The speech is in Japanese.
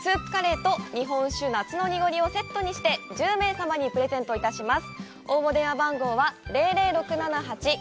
スープカレーと、日本酒の「夏のにごり」をセットにして１０名様にプレゼントいたします。